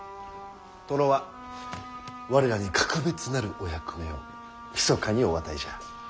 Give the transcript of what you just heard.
殿は我らに格別なるお役目をひそかにお与えじゃ。